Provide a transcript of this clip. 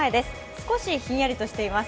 少しひんやりとしています。